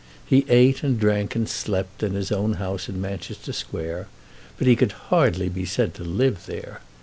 He ate and drank and slept in his own house in Manchester Square, but he could hardly be said to live there.